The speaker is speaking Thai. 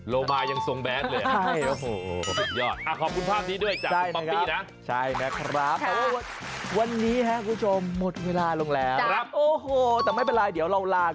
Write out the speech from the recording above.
โลมายังทรงแบทเลย